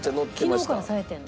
昨日からさえてる？